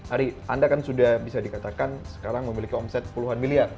ari anda kan sudah bisa dikatakan sekarang memiliki omset puluhan miliar